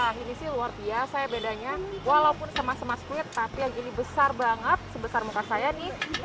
wah ini sih luar biasa bedanya walaupun sama sama skuit tapi yang ini besar banget sebesar muka saya nih